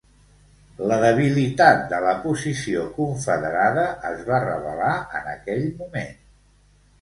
La debilitat de la posició confederada es va revelar en aquell moment.